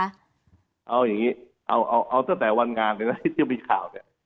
เอาอย่างนี้เอาตั้งแต่วันงานเลยนะที่มีข่าวเนี่ย